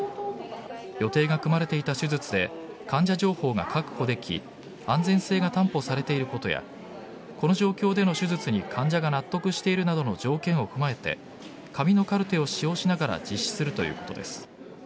予定が組まれていた手術で患者情報が確保でき安全性が担保されていることやこの状況での手術に患者が納得しているなどの条件を踏まえて紙のカルテを使用しながら実施するということです。